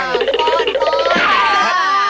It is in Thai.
ขนลูก